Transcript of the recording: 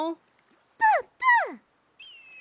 ぷんぷん。